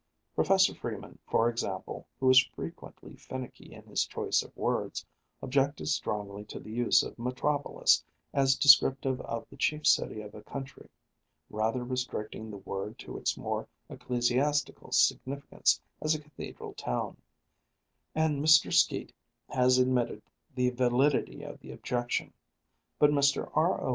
Professor Freeman, for example, who is frequently finicky in his choice of words, objected strongly to the use of metropolis as descriptive of the chief city of a country, rather restricting the word to its more ecclesiastical significance as a cathedral town, and Mr. Skeat has admitted the validity of the objection. But Mr. R. O.